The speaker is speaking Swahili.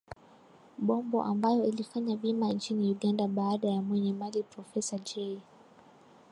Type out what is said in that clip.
Bombo ambayo ilifanya vyema nchini Uganda Baada ya mwenye mali Porofessor Jay